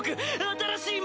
新しい。